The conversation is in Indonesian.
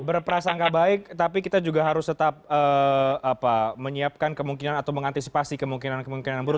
berprasangka baik tapi kita juga harus tetap menyiapkan kemungkinan atau mengantisipasi kemungkinan kemungkinan buruk